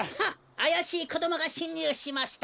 あやしいこどもがしんにゅうしました。